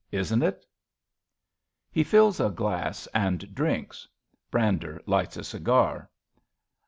Isn't it? {He fills a glass and drinks. Brander lights a cigar.)